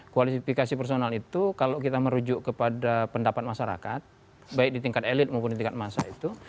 kualifikasi personal itu kalau kita merujuk kepada pendapat masyarakat baik di tingkat elit maupun di tingkat massa itu